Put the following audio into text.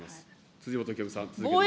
辻元清美さん、続けてください。